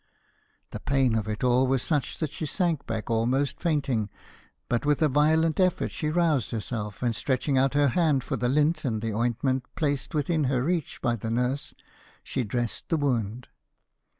The pain of it all was such that she sank back almost fainting, but with a violent effort she roused herself, and stretching out her hand for the lint and the ointment placed within her reach by the nurse, she dressed the wound.